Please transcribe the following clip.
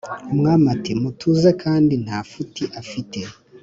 Umwami ati"mutuze kandi ntafuti afite